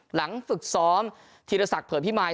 หลังฝึกซ้อมธีรศักดิเผื่อพิมาย